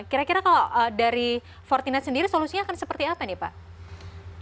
kira kira kalau dari fortinet sendiri solusinya akan seperti apa nih pak